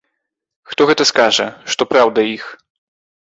Хто гэта скажа, што праўда іх?